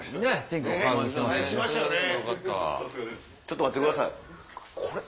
ちょっと待ってくださいこれ。